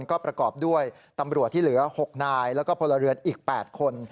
ก็ประกอบด้วยตำรวจที่เหลือ๖นายแล้วก็พลเรือนอีก๘คน